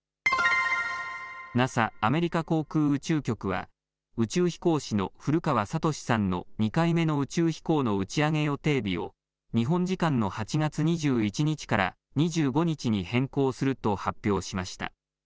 ＮＡＳＡ・アメリカ航空宇宙局は宇宙飛行士の古川聡さんの２回目の宇宙飛行の打ち上げ予定日を日本時間の８月２１日から２５日に変更すると発表しました。